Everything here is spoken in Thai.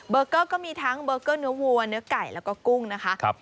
เกอร์ก็มีทั้งเบอร์เกอร์เนื้อวัวเนื้อไก่แล้วก็กุ้งนะคะ